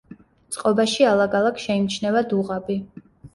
წყობაში ალაგ-ალაგ შეიმჩნევა დუღაბი.